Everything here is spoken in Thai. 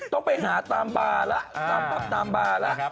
ต้องไปหาตามบ้าระตามปั๊บตามบ้าระ